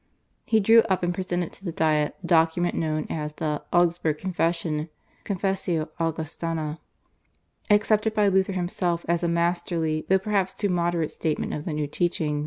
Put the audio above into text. He drew up and presented to the Diet the document known as the /Augsburg Confession/ (/Confessio Augustana/), accepted by Luther himself as a masterly though perhaps too moderate statement of the new teaching.